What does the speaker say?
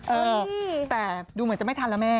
เออแต่ดูเหมือนจะไม่ทันแล้วแม่